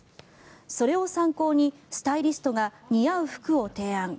それを参考にスタイリストが似合う服を提案。